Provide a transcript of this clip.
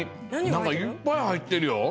なんかいっぱいはいってるよ。